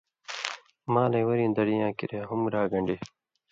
مالَیں وریں دڑی یاں کریا ہُم ڈاگݩڈی